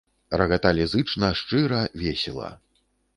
Рагаталі зычна, шчыра, весела.